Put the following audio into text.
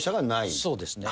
そうですね。